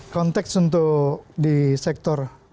konteks untuk di sektor